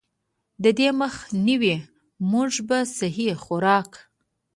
د دې مخ نيوے مونږ پۀ سهي خوراک ،